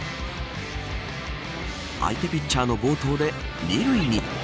相手ピッチャーの暴投で２塁に。